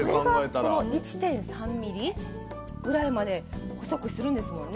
それがこの１．３ミリぐらいまで細くするんですもんね。